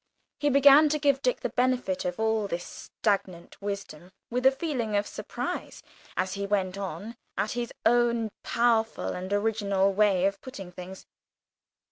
He began to give Dick the benefit of all this stagnant wisdom, with a feeling of surprise as he went on, at his own powerful and original way of putting things.